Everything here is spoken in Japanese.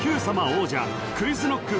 王者Ｑｕｉｚｋｎｏｃｋ